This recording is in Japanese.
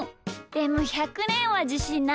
でも１００ねんはじしんない。